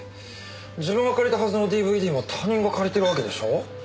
自分が借りたはずのＤＶＤも他人が借りてるわけでしょう。